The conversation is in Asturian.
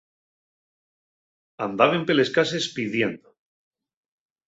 Andaben peles cases pidiendo.